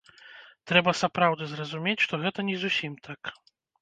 Трэба сапраўды зразумець, што гэта не зусім так.